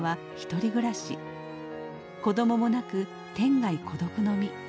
子供もなく天涯孤独の身。